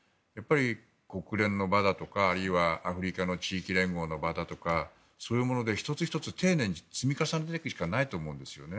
国連の場だとか、あるいはアフリカの地域連合の場だとかそういうもので１つ１つ丁寧に積み重ねていくしかないと思うんですよね。